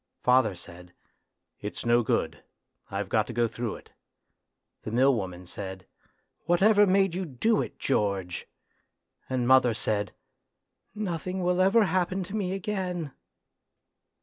Father said, "It's no good, I've got to go through it;" the mill woman said, " Whatever made you do it, George ?" And mother said, " Nothing will ever happen to me again